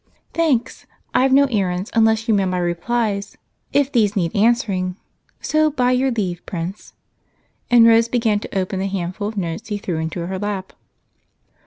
"Thanks. I've no errands unless you mail my replies, if these need answering, so by your leave, Prince," and Rose began to open the handful of notes he threw into her lap.